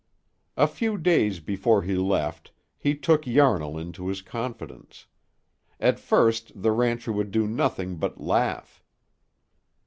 A few days before he left, he took Yarnall into his confidence. At first the rancher would do nothing but laugh.